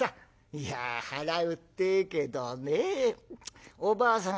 いや払うってえけどねおばあさん